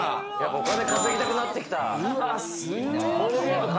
お金稼ぎたくなってきた。